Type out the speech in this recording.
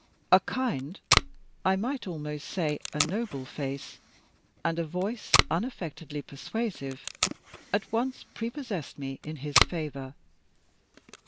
A kind, I might almost say a noble face, and a voice unaffectedly persuasive, at once prepossessed me in his favor.